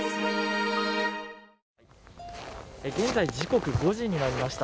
現在、時刻５時になりました。